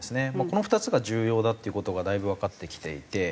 この２つが重要だっていう事がだいぶわかってきていて。